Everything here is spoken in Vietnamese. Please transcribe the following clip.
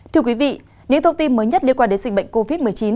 thưa quý vị những thông tin mới nhất liên quan đến dịch bệnh covid một mươi chín